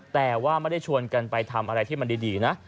แต่ว่าไม่ได้ชวนกันไปทำอะไรที่มันดีนะ